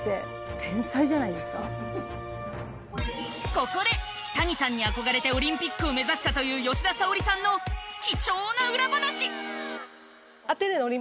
ここで谷さんに憧れてオリンピックを目指したという吉田沙保里さんの貴重な裏話。